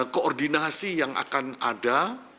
koordinasi yang akan ada